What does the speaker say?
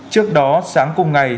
trước đó sáng cùng ngày